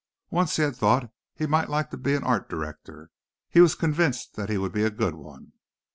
Once he had thought he might like to be an art director; he was convinced that he would be a good one.